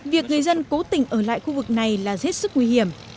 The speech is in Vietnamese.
việc người dân cố tình ở lại khu vực này là hết sức nguy hiểm